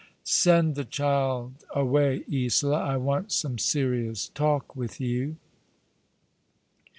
"Send the child away, Isola. I want some serious talk with you."